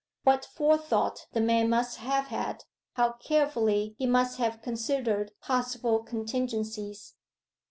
What forethought the man must have had how carefully he must have considered possible contingencies!